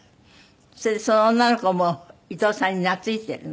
それでその女の子も伊東さんに懐いているの？